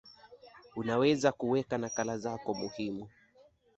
Unaweza kuwekea nakala zako muhimu